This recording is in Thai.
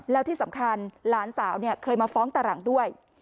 แล้วที่สำคัญหลานสาวเคยมาฟ้องตาหลังด้วย